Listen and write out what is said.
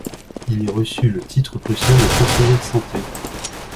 Il y reçut le titre prussien de conseiller de santé.